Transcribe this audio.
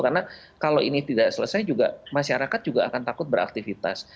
karena kalau ini tidak selesai juga masyarakat juga akan takut beraktivitas